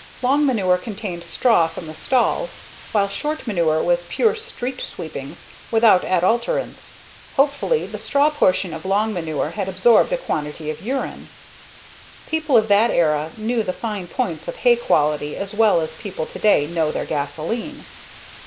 Long manure contained straw from the stall while short manure was pure street sweepings without adulterants. Hopefully, the straw portion of long manure had absorbed a quantity of urine. People of that era knew the fine points of hay quality as well as people today know their gasoline.